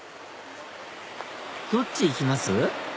どっちへ行きます？